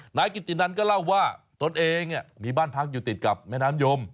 นายกิตตินันก็เล่าว่าตนเองมีบ้านพักอยู่ติดกับแม่น้ำยม